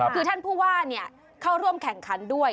คือท่านผู้ว่าเข้าร่วมแข่งขันด้วย